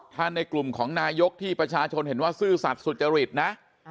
ถ้าในกลุ่มของนายกที่ประชาชนเห็นว่าซื่อสัตว์สุจริตนะ